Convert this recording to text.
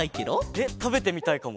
えったべてみたいかも。